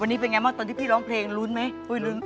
วันนี้เป็นไงบ้างตอนที่พี่ร้องเพลงลุ้นไหมลุ้น